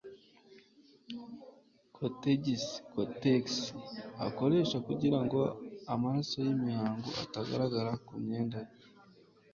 kotegisi (cotex) akoresha kugira ngo amaraso y'imihango atagaragara ku myenda ye